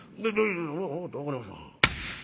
分かった分かりました」。